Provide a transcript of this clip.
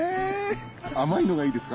甘いのがいいですか？